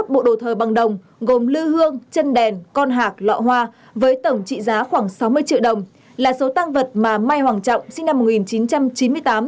hai mươi bộ đồ thờ bằng đồng gồm lư hương chân đèn con hạc lọ hoa với tổng trị giá khoảng sáu mươi triệu đồng là số tăng vật mà mai hoàng trọng sinh năm một nghìn chín trăm chín mươi tám